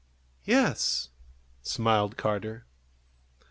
"Yes," smiled Carter.